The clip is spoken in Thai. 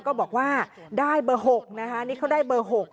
ก็บอกว่าได้เบอร์๖นะคะนี่เขาได้เบอร์๖